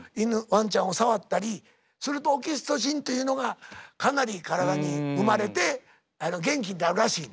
ワンちゃんを触ったりするとオキシトシンというのがかなり体に生まれて元気になるらしい。